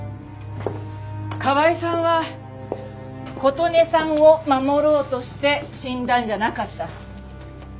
川井さんは琴音さんを守ろうとして死んだんじゃなかった。